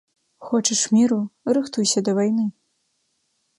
Хочаш міру, рыхтуйся да вайны.